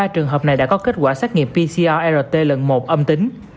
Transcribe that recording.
một mươi ba trường hợp này đã có kết quả xét nghiệm pcr rt lần một âm tính